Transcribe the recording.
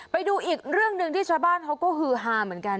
ไปดูอีกเรื่องหนึ่งที่ชาวบ้านเขาก็ฮือฮาเหมือนกัน